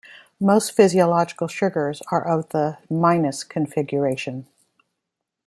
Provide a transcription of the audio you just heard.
Most physiological sugars are of the -configuration.